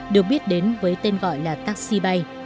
được biết đến với tên gọi là taxi bay